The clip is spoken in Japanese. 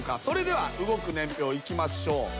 それでは動く年表いきましょう。